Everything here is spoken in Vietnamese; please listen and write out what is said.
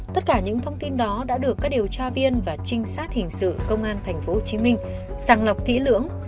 tất cả những thông tin đó đã được các điều tra viên và trinh sát hình sự công an tp hcm sàng lọc kỹ lưỡng